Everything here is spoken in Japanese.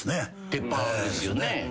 鉄板ですよね。